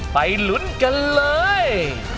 ไปลุ้นกันเลย